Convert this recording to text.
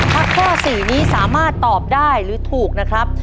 ถ้าข้อ๔นี้สามารถตอบได้หรือถูกนะครับ